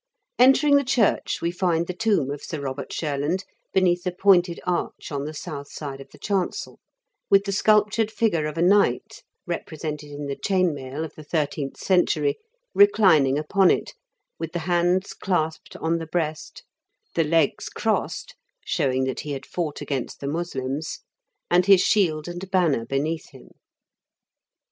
Entering the church, we find the tomb of Sir Kobert Shurland beneath a pointed arch on the south side of the chancel, with the sculptured figure of a knight — ^represented in the chain mail of the thirteenth century — reclining upon it, with the hands clasped on the breast, the legs crossed (showing that he had fought against the Moslems), and his shield and banner beneath him.